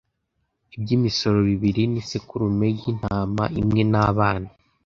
iby imisore bibiri n isekurume y intama imwe n abana